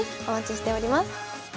お待ちしております。